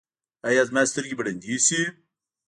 ایا زما سترګې به ړندې شي؟